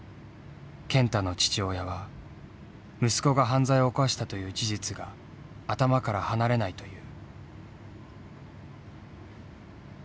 健太の父親は息子が犯罪を犯したという事実が頭から離れないという。